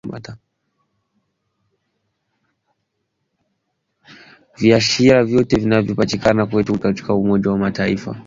Viashiria vyote vinavyopatikana kwetu katika Umoja wa Mataifa na Umoja wa Afrika vinaonyesha kuwa nchi iko kwenye hatari kubwa